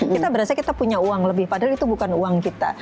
kita berasa kita punya uang lebih padahal itu bukan uang kita